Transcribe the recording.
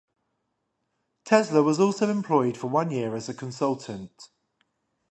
Tesla was also employed for one year as a consultant.